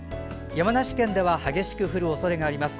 山梨県では激しく降るおそれがあります。